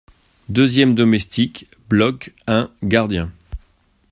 Deuxième Domestique : Block Un Gardien .